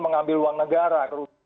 mengambil uang negara